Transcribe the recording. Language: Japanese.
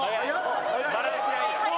バランスがいい。